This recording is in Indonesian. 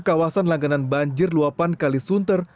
kawasan langganan banjir luapan kalisunter